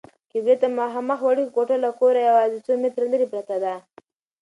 قبلې ته مخامخ وړوکې کوټه له کوره یوازې څو متره لیرې پرته ده.